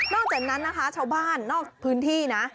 จากนั้นนะคะชาวบ้านนอกพื้นที่นะ